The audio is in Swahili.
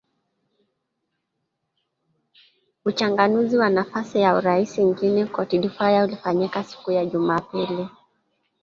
uchaguzi wa nafasi ya urais nchini cote de voire ulifanyika siku ya jumapili